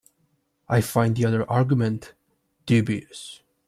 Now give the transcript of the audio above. I find the other argument dubious.